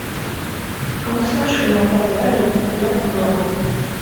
Ancien Chemin Royal, Lasbordes